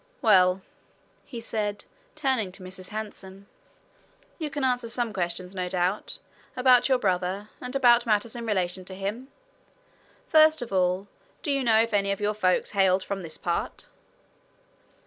"Well," he said, turning to Mrs. Hanson, "you can answer some questions, no doubt, about your brother, and about matters in relation to him. First of all, do you know if any of your folks hailed from this part?"